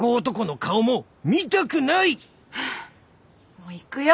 もう行くよ。